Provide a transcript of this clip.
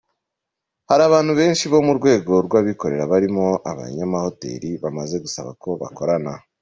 Hari abantu benshi bo mu rwego rw’abikorera barimo abanyamahoteli bamaze gusaba ko bakorana.